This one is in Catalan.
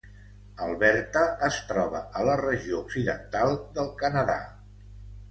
Alberta es troba a la regió occidental del Canadà.